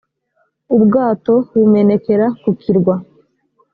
ubwato bumenekera ku kirwa